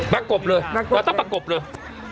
กบเลยเราต้องประกบเลย